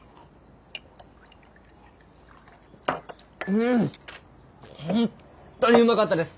うん本当にうまかったです。